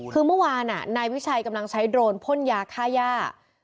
คือเมื่อวานนายวิชัยกำลังใช้โดรนพ่นยาฆ่าย่า